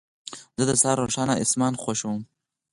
زه د سهار روښانه اسمان خوښوم.